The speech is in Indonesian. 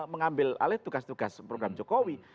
mengambil alih tugas tugas program jokowi